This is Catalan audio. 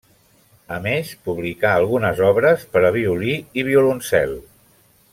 A més publicà algunes obres per a violí i violoncel.